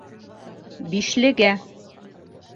«Бишле»гә.